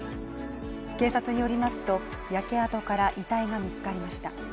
警察によりますと焼け跡から遺体が見つかりました。